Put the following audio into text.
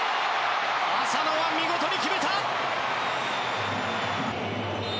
浅野は見事に決めた！